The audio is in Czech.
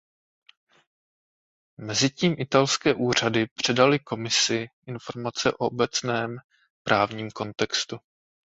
Mezitím italské úřady předaly Komisi informace o obecném právním kontextu.